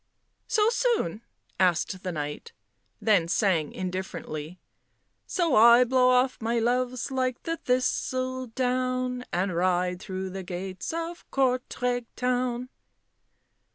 " So soon?" asked the Knight, then sang indifferently —" So I blow off my loves like the thistledown, And ride through the gates of Courtrai town."